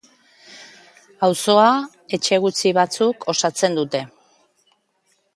Auzoa etxe gutxi batzuk osatzen dute.